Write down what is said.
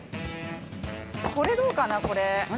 これ、どうかな、これ。